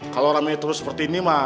kalau ramai terus seperti ini